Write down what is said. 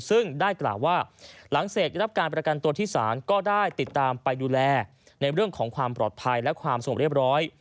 ซึ่งได้กล่าวว่าหลังเสกได้รับการประกันตัวที่ศาลก็ได้ติดตามไปดูแลในเรื่องของความปลอดภัยและความสงบเรียบร้อย